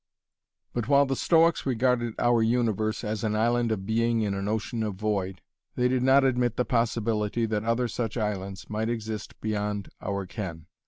But while the Stoics regarded our universe as an island of being in an ocean of void, they did not admit the possibility that other such islands might exist beyond our ken.